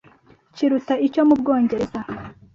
kiruta icyo mu Bwongereza,